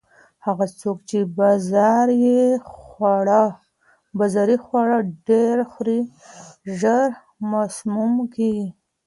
هغه څوک چې بازاري خواړه ډېر خوري، ژر مسموم کیږي.